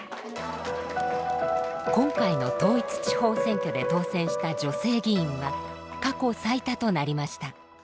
今回の統一地方選挙で当選した女性議員は過去最多となりました。